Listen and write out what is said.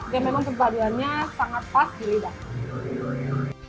dan memang kepaduannya sangat pas di lidah